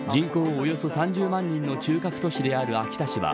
およそ３０万人の中核都市である秋田市は